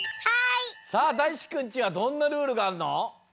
さあだいしくんちはどんなルールがあるの？